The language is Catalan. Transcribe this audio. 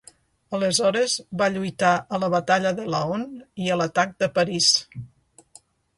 Aleshores va lluitar a la batalla de Laon i a l'atac de París.